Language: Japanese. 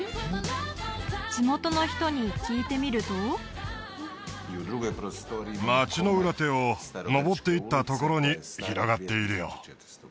地元の人に聞いてみると町の裏手を上っていったところに広がっているよ